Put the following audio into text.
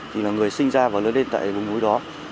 thì là người sinh ra và lớn lên tại vùng núi đó